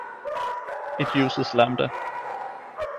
It uses lambda